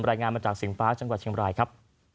รายงานมาจากสิงฟ้าจังหวัดเชียงบรายครับ